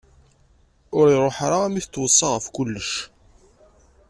Ur truḥ ara armi i t-tweṣṣa ɣef kullec.